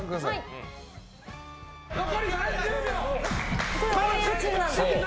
残り３０秒！